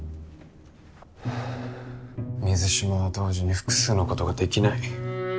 水島は同時に複数のことができない。